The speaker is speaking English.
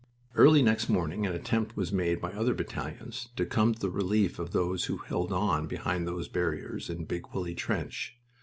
Early next morning an attempt was made by other battalions to come to the relief of those who held on behind those barriers in Big Willie trench.